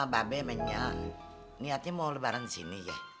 babi emangnya niatnya mau lebaran di sini ya